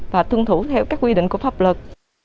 và tuân thủ theo các quy định của pháp luật